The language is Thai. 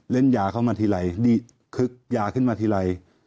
ยาเข้ามาทีไรดีคึกยาขึ้นมาทีไร